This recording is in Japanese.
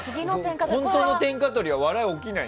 本当の天下取りは笑いが起きない。